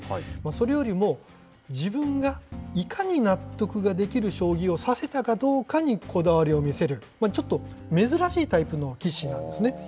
それよりも自分がいかに納得ができる将棋を指せたかどうかにこだわりを見せる、ちょっと珍しいタイプの棋士なんですね。